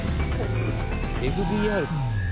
ＦＢＲ。